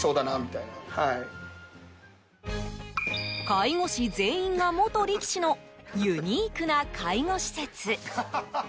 介護士全員が元力士のユニークな介護施設。